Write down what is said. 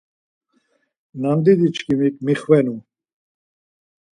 Nandidi çkimi mixvenu.